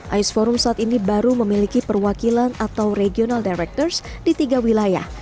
ais forum saat ini baru memiliki perwakilan atau regional directors di tiga wilayah